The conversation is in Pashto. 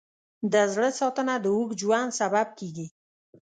د زړه ساتنه د اوږد ژوند سبب کېږي.